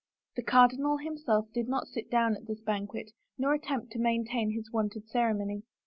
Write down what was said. The cardinal himself did not sit down at this banquet nor attempt to maintain his wonted ceremony.